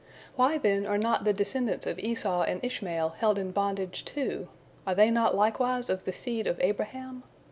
Why, then, are not the descendants of Esau and Ishmael held in bondage, too? Are they not likewise of the seed of Abraham?